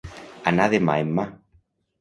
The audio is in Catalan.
Anar de mà en mà.